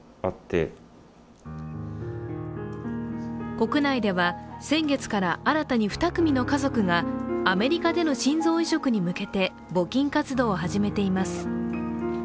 国内では先月から新たに２組の家族がアメリカでの心臓移植に向けて募金活動を始めています。